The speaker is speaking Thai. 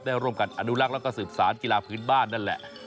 และร่วมกับอนุรักษ์และการศึกษาธิ์กีฬาพื้นบ้านนั่นแหละ